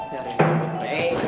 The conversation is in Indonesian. ya ada yang ngumpul